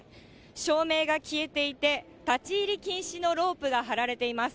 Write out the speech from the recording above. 照明が消えていて、立ち入り禁止のロープが張られています。